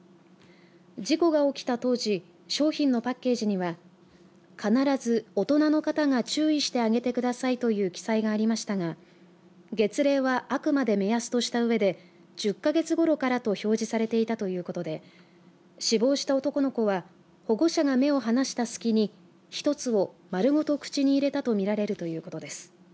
事故が起きた当時商品のパッケージには必ず大人の方が注意してあげてくださいという記載がありましたが、月齢はあくまで目安としたうえで１０か月ごろからと表示されていたということで死亡した男の子は保護者が目を離した隙に１つを丸ごと口に入れたと見られるということです。